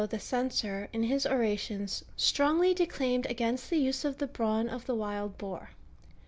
345 the Censor, in his orations, strongly declaimed against the use of the brawn of the wild boar.